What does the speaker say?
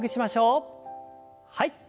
はい。